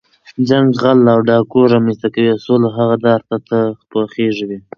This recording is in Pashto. جنګ غل او ډاګو رامنځ ته کوي، او سوله هغه دار ته خېږوي.